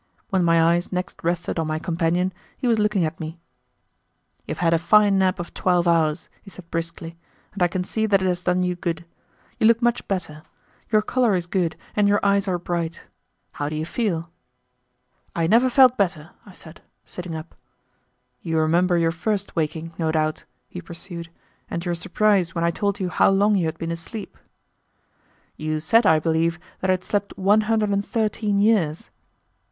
When my eyes next rested on my companion, he was looking at me. "You have had a fine nap of twelve hours," he said briskly, "and I can see that it has done you good. You look much better. Your color is good and your eyes are bright. How do you feel?" "I never felt better," I said, sitting up. "You remember your first waking, no doubt," he pursued, "and your surprise when I told you how long you had been asleep?" "You said, I believe, that I had slept one hundred and thirteen years."